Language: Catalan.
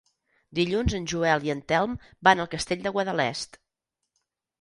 Dilluns en Joel i en Telm van al Castell de Guadalest.